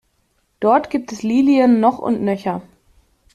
Dort gibt es Lilien noch und nöcher.